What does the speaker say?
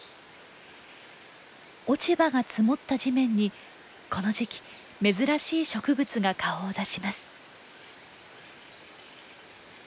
落ち葉が積もった地面にこの時期珍しい植物が顔を出します。